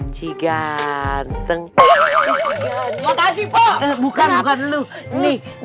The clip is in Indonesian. giganteng itu ih sipho bukannya niet tv siwee ganteng itu skgl bikin si ganteng ganteng spon surge kita